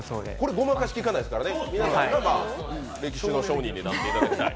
ごまかしきかないですからね、歴史の証人になっていただきたい。